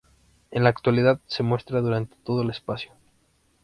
En la actualidad se muestran durante todo el espacio.